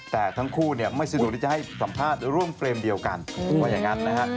แต่ทั้งคู่เนี่ยไม่สะดวกที่จะให้สัมภาษณ์ร่วมเฟรมเดียวกันว่าอย่างนั้นนะฮะ